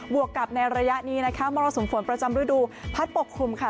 วกกับในระยะนี้นะคะมรสุมฝนประจำฤดูพัดปกคลุมค่ะ